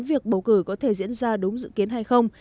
việc bầu cử có thể diễn ra đúng dự kiến hay không